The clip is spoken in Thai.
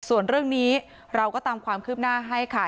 ส่วนเรื่องนี้เราก็ตามความคืบหน้าให้ค่ะ